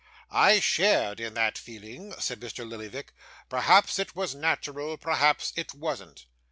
'I shared in that feeling,' said Mr. Lillyvick: 'perhaps it was natural; perhaps it wasn't.